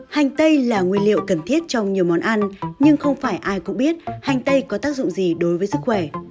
hành tây là nguyên liệu cần thiết trong nhiều món ăn nhưng không phải ai cũng biết hành tây có tác dụng gì đối với sức khỏe